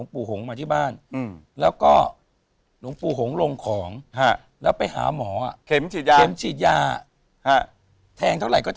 คุณคิดว่าตัวคุณหนังเหนียวมั้ย